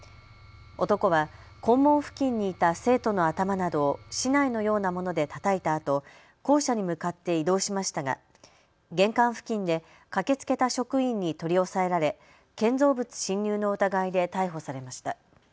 男は校門付近にいた生徒の頭などを竹刀のようなものでたたいたあと、校舎に向かって移動しましたが玄関付近で駆けつけた職員に取り押さえられ建造物侵入の疑いで逮捕されました。